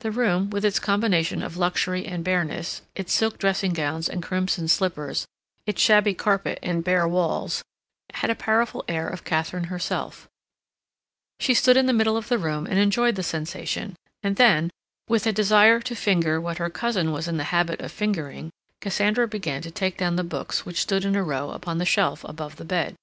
The room, with its combination of luxury and bareness, its silk dressing gowns and crimson slippers, its shabby carpet and bare walls, had a powerful air of Katharine herself; she stood in the middle of the room and enjoyed the sensation; and then, with a desire to finger what her cousin was in the habit of fingering, Cassandra began to take down the books which stood in a row upon the shelf above the bed.